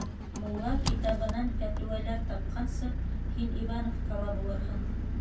Мулла китабынан фәтүәләр тапҡансы, һин Ивановкала булырһың.